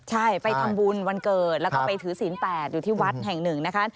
ใช่ไปทำบุญวันเกิดแล้วก็ไปถือศีล๘อยู่ที่วัดแห่งหนึ่งนะคะ